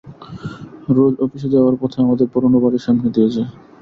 রোজ office যাওয়ার পথে আমাদের পুরানো বাড়ির সামনে দিয়ে যাই।